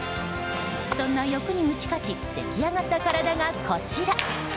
そんな欲に打ち勝ち出来上がった体がこちら。